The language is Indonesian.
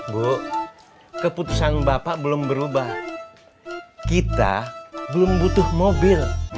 bu keputusan bapak belum berubah kita belum butuh mobil